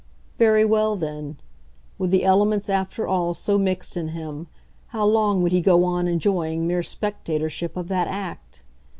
Very well, then: with the elements after all so mixed in him, how long would he go on enjoying mere spectatorship of that act?